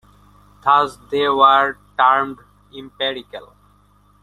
Thus, they are termed "empirical".